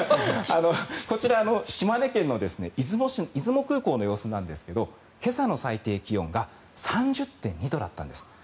こちら、島根県の出雲空港の様子なんですが今朝の最低気温が３０．２度だったんです。